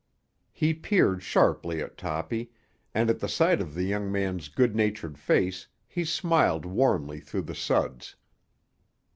He peered sharply at Toppy, and at the sight of the young man's good natured face he smiled warmly through the suds.